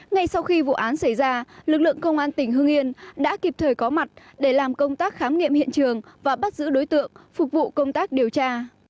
ngay sau khi vụ án xảy ra lực lượng công an tỉnh hương yên đã kịp thời có mặt để làm công tác khám nghiệm hiện trường và bắt giữ đối tượng phục vụ công tác điều tra